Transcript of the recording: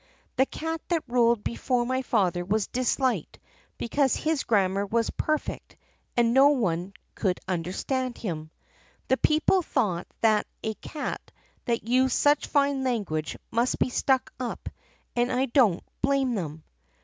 The cat that ruled before my father was disliked because his grammar was perfect and no one could understand him. The people thought that a cat that used such fine language must be stuck up, and I don't blame them.